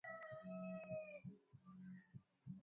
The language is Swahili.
ili tuweze kuwasiliana na yeye